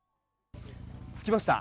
着きました。